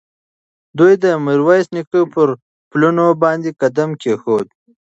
دوی د میرویس نیکه پر پلونو باندې قدم کېښود.